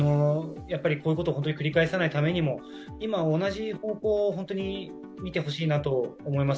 こういうことを繰り返さないためにも今、同じ方向を見てほしいなと思います。